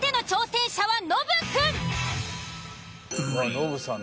ノブさん